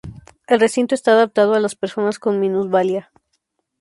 El recinto está adaptado a las personas con minusvalía.